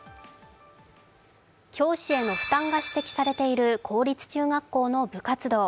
教師への負担が指摘されている公立中学校の部活動。